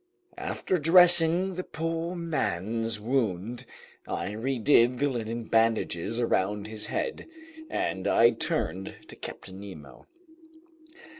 After dressing the poor man's wound, I redid the linen bandages around his head, and I turned to Captain Nemo.